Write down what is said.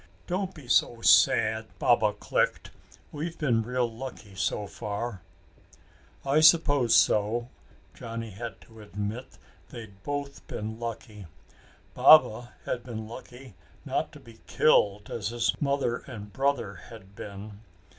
"Don't be so sad," Baba clicked. "We've been real lucky so far." "I suppose so." Johnny had to admit they'd both been lucky. Baba had been lucky not to be killed as his mother and brother had been.